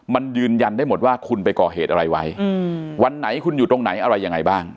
มันยืนยันได้หมดว่าคุณไปก่อเหตุอะไรไว้วันไหนคุณอยู่ตรงไหนอะไรยังไงบ้าง